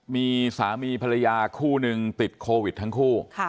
มีสามีภรรยาคู่หนึ่งติดโควิดทั้งคู่